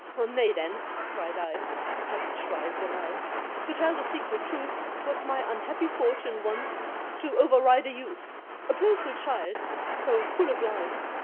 "Nay then," cried I (heav'n shrive the lie!) "to tell the secret truth, 'Twas my unhappy fortune once to over ride a youth! A playful child, so full of life!